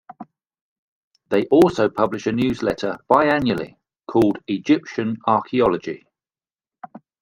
They also publish a newsletter bi-annually called "Egyptian Archaeology".